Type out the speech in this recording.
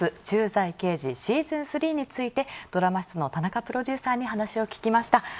『駐在刑事Ｓｅａｓｏｎ３』についてドラマ室の田中プロデューサーに話を聞きました。